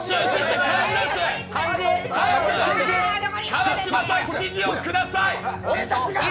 川島さん、指示をください！